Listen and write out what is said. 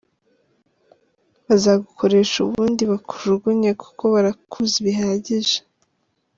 Bazagukoresha ubundi bakujugunye, kuko barakuzi bihagije…